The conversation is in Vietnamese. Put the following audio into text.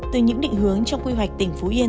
từ những định hướng trong quy hoạch tỉnh phú yên